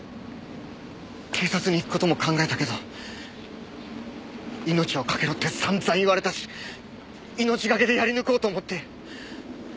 警察に行く事も考えたけど命を懸けろって散々言われたし命懸けでやり抜こうと思って。